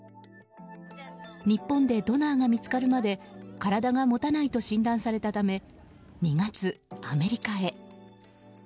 日本でドナーが見つかるまで体が持たないと診断されたため２月、アメリカへ。